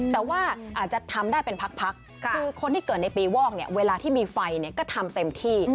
แต่ว่าอาจจะทำได้เป็นพักคือคนที่เกิดในปีวอกเนี่ยเวลาที่มีไฟก็ทำเต็มที่